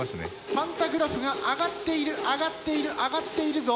パンタグラフが上がっている上がっている上がっているぞ。